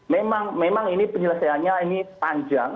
memang memang ini penyelesaiannya ini panjang